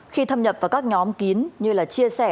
khi thâm nhập vào các nhóm kín như là chia sẻ